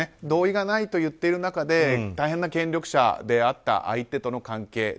同意がないと言っている中で大変な権力者であった相手との関係。